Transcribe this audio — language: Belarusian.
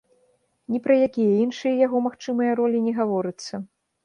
Ні пра якія іншыя яго магчымыя ролі не гаворыцца.